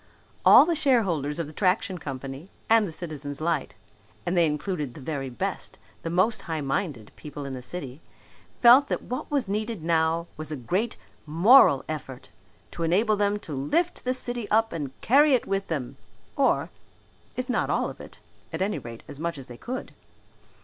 All the shareholders of the Traction Company and the Citizens' Light and they included the very best, the most high minded, people in the city felt that what was needed now was a great moral effort, to enable them to lift the city up and carry it with them, or, if not all of it, at any rate as much of it as they could.